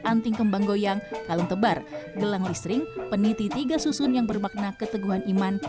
anting kembang goyang kalung tebar gelang listring peniti tiga susun yang bermakna keteguhan iman